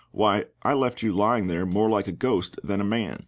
Why, I left you lying there more like a ghost than a man."